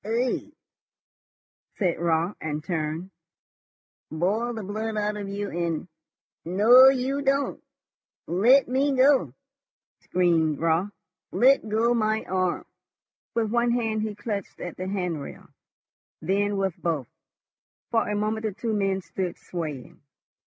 "Eigh?" said Raut, and turned. "Boil the blood out of you in ... No, you don't!" "Let me go!" screamed Raut. "Let go my arm!" With one hand he clutched at the hand rail, then with both. For a moment the two men stood swaying.